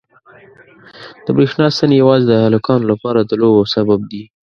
د برېښنا ستنې یوازې د هلکانو لپاره د لوبو سبب دي.